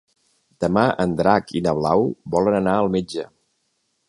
Demà en Drac i na Blau volen anar al metge.